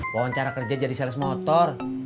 wawancara kerja jadi sales motor